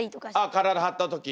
体はった時？